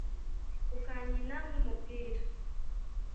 ukankina nk'umupira